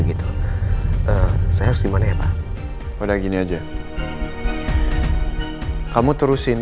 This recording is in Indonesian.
gitu dua menterima